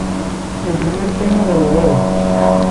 El primer tema verdadero.